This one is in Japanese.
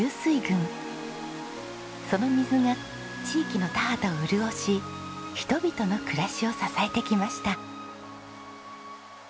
その水が地域の田畑を潤し人々の暮らしを支えてきました。